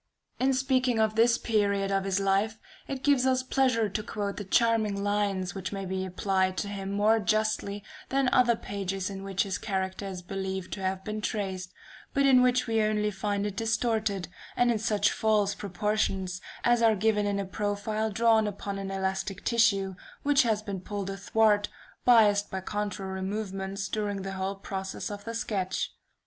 In speaking of this period of his life, it gives us pleasure to quote the charming lines which may be applied to him more justly, than other pages in which his character is believed to have been traced, but in which we only find it distorted, and in such false proportions as are given in a profile drawn upon an elastic tissue, which has been pulled athwart, biased by contrary movements during the whole progress of the sketch.